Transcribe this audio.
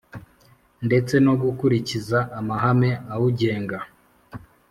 ndetse no gukurikiza amahame awugenga